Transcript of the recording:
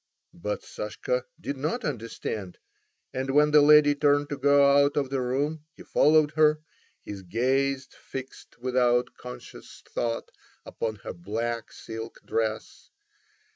But Sashka did not understand, and when the lady turned to go out of the room he followed her, his gaze fixed without conscious thought upon her black silk dress.